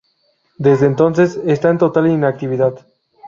Desde entonces está en total inactividad.